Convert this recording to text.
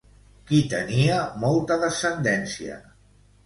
Qui tenia molta descendència?